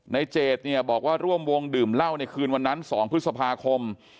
เจดเนี่ยบอกว่าร่วมวงดื่มเหล้าในคืนวันนั้น๒พฤษภาคม